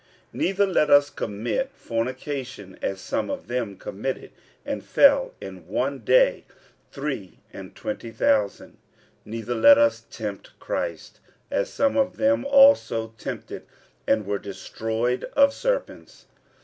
46:010:008 Neither let us commit fornication, as some of them committed, and fell in one day three and twenty thousand. 46:010:009 Neither let us tempt Christ, as some of them also tempted, and were destroyed of serpents.